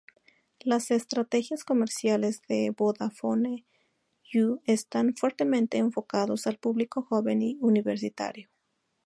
Las estrategias comerciales de Vodafone yu están fuertemente enfocadas al público joven y universitario.